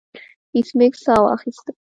ایس میکس ساه واخیسته